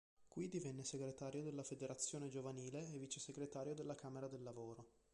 Qui divenne segretario della federazione giovanile e vicesegretario della Camera del Lavoro.